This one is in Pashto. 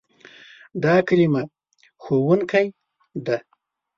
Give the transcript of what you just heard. دا کلمه "ښوونکی" ده.